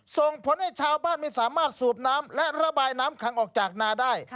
ส่งผลให้ชาวบ้านไม่สามารถสูบน้ำและระบายน้ำขังออกจากนาได้